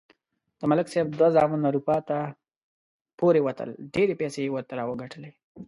د ملک صاحب دوه زامن اروپا ته پورې وتل. ډېرې پیسې یې ورته راوگټلې.